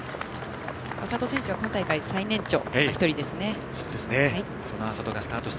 安里選手は今大会最年長の１人です。